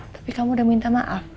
tapi kamu udah minta maaf